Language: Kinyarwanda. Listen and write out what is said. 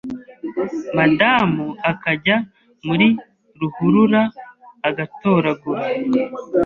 madamu akajya muri ruhurura agatoragura